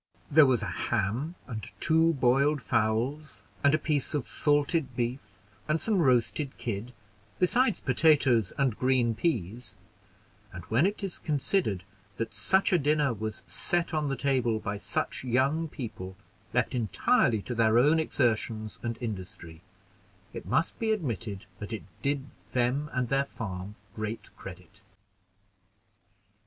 There was a ham, and two boiled fowls, and a piece of salted beef, and some roasted kid, besides potatoes and green peas; and when it is considered that such a dinner was bet on the table by such young people left entirely to their own exertions and industry, it must be admitted that it did then and their farm great credit.